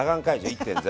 １．０。